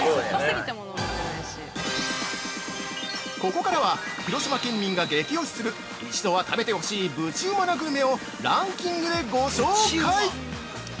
◆ここからは広島県民が激推しする、一度は食べて欲しい「ぶちうま」なグルメをランキングでご紹介。